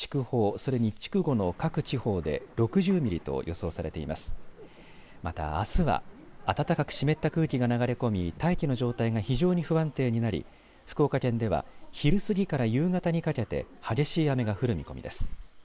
それに筑後の各地方で６０ミリと予想されていてまた、あすは暖かく湿った空気が流れ込み大気の状態が非常に不安定になり福岡県では昼すぎから夕方にかけて激しい雨が降る見込みです。